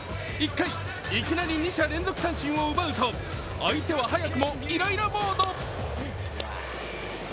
１回いきなり２者連続三振を奪うと相手は早くもイライラモード。